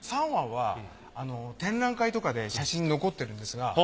３碗は展覧会とかで写真に残ってるんですが。